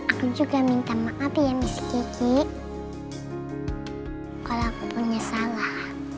aku juga minta maaf ya masih kecil kalau aku punya salah